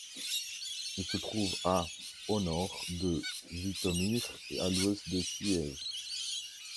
Elle se trouve à au nord de Jytomyr et à l'ouest de Kiev.